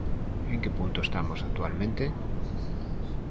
En que punto estamos actualmente?